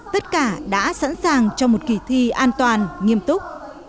tất cả đã sẵn sàng cho một kỳ thi an toàn nghiêm túc